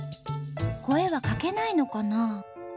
声はかけないのかな？